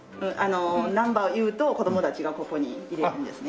ナンバー言うと子どもたちがここに入れるんですね。